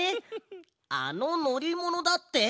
あののりものだって。